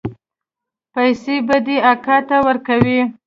پيسې به دې اکا ته ورکوې.